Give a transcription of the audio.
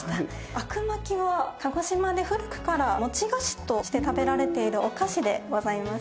あくまきは鹿児島で古くから餅菓子として食べられているお菓子でございます。